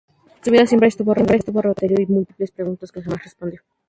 Su vida siempre estuvo rodeada de misterio y de múltiples preguntas que jamás respondió.